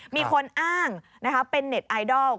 มีคนอ้างนะคะเป็นเน็ตไอดอล